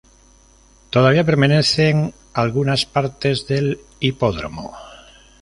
Todavía permanecen algunas partes del hipódromo.